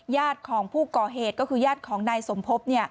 ญาติของผู้ก่อเหตุก็คือญาติของนายสมภพ